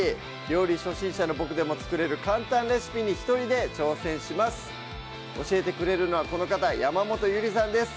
料理初心者のボクでも作れる簡単レシピに一人で挑戦します教えてくれるのはこの方山本ゆりさんです